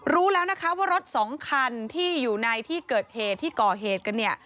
รู้แล้วนะคะว่ารถสองคันที่อยู่ในที่เกิดเหตุที่ก่อเหตุกันเนี่ย